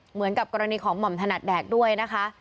เหมือนกับกรณีของหม่อมถนัดแดกด้วยนะคะ